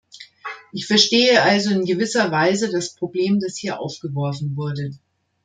Ich verstehe also in gewisser Weise das Problem, das hier aufgeworfen wurde.